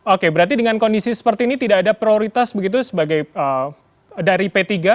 oke berarti dengan kondisi seperti ini tidak ada prioritas begitu dari p tiga